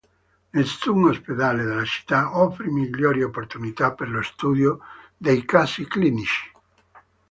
Nessun ospedale della città offrì migliori opportunità per lo studio dei casi clinici.